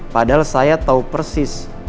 padahal saya tau persis